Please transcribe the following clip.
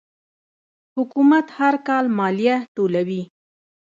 حکومت هر کال مالیه ټولوي.